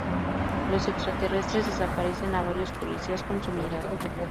Los Extraterrestres desaparecen a varios policías con su mirada.